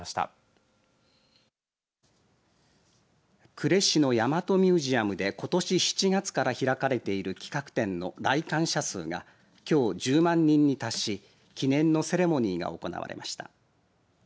呉市の大和ミュージアムでことし７月から開かれている企画展の来館者数がきょう１０万人に達し記念のセレモニーが行われました。